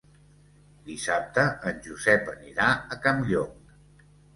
Dissabte en Josep anirà a Campllong.